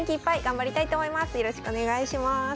よろしくお願いします。